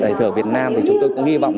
nhảy thở việt nam thì chúng tôi cũng hy vọng